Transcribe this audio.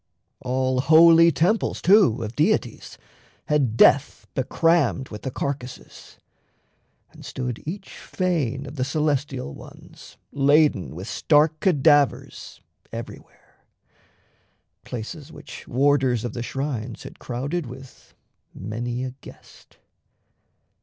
All holy temples, too, of deities Had Death becrammed with the carcasses; And stood each fane of the Celestial Ones Laden with stark cadavers everywhere Places which warders of the shrines had crowded With many a guest.